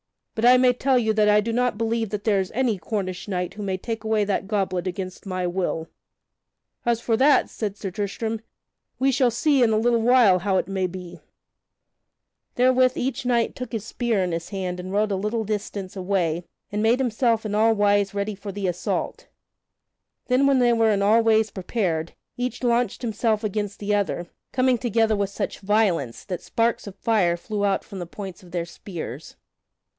But I may tell you that I do not believe that there is any Cornish knight who may take away that goblet against my will." "As for that," said Sir Tristram, "we shall see in a little while how it may be." [Sidenote: Sir Tristram overcometh Sir Bleoberis] Therewith each knight took his spear in hand and rode a little distance away, and made himself in all wise ready for the assault. Then when they were in all ways prepared, each launched himself against the other, coming together with such violence that sparks of fire flew out from the points of their spears.